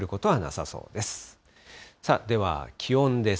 さあ、では気温です。